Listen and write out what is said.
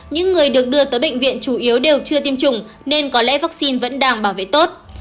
những người được đưa tới bệnh viện chủ yếu đều chưa tiêm chủng nên có lẽ vaccine vẫn đang bảo vệ tốt